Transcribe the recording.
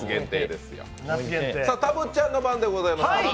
たぶっちゃの番でございます。